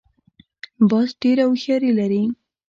باز ډېره هوښیاري لري